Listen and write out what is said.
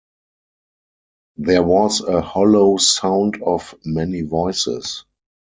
There was a hollow sound of many voices.